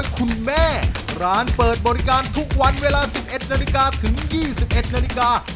คุณแม่ร้านเปิดบริการทุกวันเวลา๑๑นาฬิกาถึง๒๑นาฬิกา